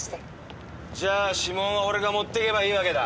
じゃあ指紋は俺が持ってけばいいわけだ。